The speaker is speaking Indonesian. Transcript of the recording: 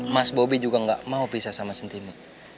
mas bobi juga gak mau pisah sama centini